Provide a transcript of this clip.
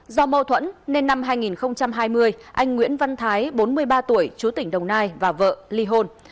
do mâu thuẫn nên năm hai nghìn hai mươi anh nguyễn văn thái bốn mươi ba tuổi chú tỉnh đồng nai và vợ ly hôn